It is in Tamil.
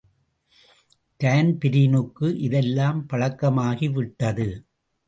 தான்பிரீனுக்கு இதெல்லாம் பழக்கமாகிவிட்டது.